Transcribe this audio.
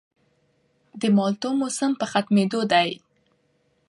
د مالټو موسم په ختمېدو دی